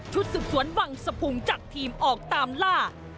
สืบสวนวังสะพุงจัดทีมออกตามล่า